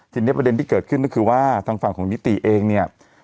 ทีนี้ประเด็นที่เกิดขึ้นก็คือว่าทางฝั่งของนิติเองเนี่ย